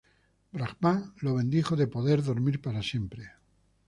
Brahmá lo bendijo de poder dormir para siempre.